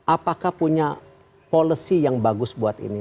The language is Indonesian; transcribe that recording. apakah punya policy yang bagus buat ini